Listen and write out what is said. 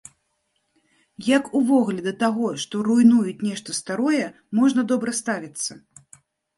Як увогуле да таго, што руйнуюць нешта старое, можна добра ставіцца?